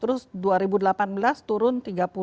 terus dua ribu delapan belas turun tiga puluh